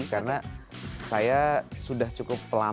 karena saya sudah cukup pelan pelan